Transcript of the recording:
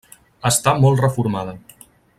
Està molt reformada.